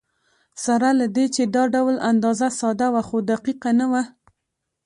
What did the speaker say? سره له دې چې دا ډول اندازه ساده وه، خو دقیقه نه وه.